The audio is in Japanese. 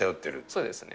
そうですね。